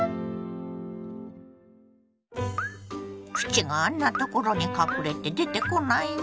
プチがあんなところに隠れて出てこないわ。